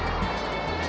jangan makan aku